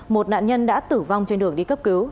một nạn nhân đã tử vong trên đường đi cấp cứu